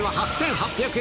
８０００円。